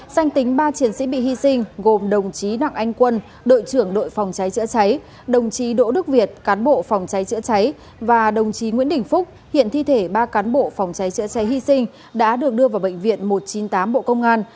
danh tính ba chiến sĩ bị hy sinh gồm đồng chí đặng anh quân đội trưởng đội phòng cháy chữa cháy đồng chí đỗ đức việt cán bộ phòng cháy chữa cháy và đồng chí nguyễn đình phúc hiện thi thể ba cán bộ phòng cháy chữa cháy hy sinh đã được đưa vào bệnh viện một trăm chín mươi tám bộ công an